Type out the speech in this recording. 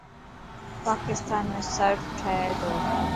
پاڪستان ۾ صرف ٺهي تو.